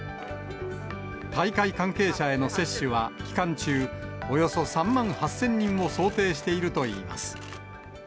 大会関係者への接種は期間中、およそ３万８０００人を想定しているといいます。